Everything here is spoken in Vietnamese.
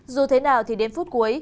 dù thế nào thì đến phút cuối